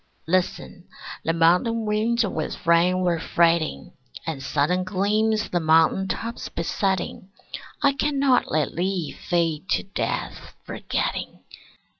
Listen: the mountain winds with rain were fretting, And sudden gleams the mountain tops besetting. I cannot let thee fade to death, forgetting.